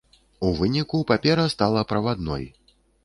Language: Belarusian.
У выніку папера стала правадной.